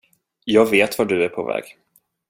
Jag vet vart du är på väg.